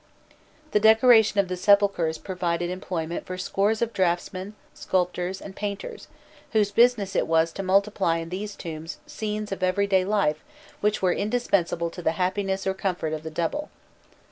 The decoration of the sepulchres provided employment for scores of draughtsmen, sculptors, and painters, whose business it was to multiply in these tombs scenes of everyday life which were indispensable to the happiness or comfort of the double.